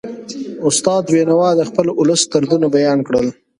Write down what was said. استاد بینوا د خپل ولس دردونه بیان کړل.